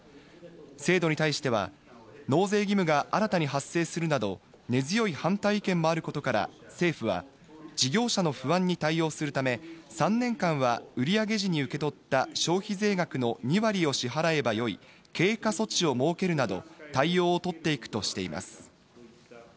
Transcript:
制度に対しては納税義務が新たに発生するなど、根強い反対意見もあることから、政府は事業者の不安に対応するため、３年間は売り上げ時に受け取った消費税額の２割を支払えばよい、経過措置を設けるなど、対応をとっていくとしています。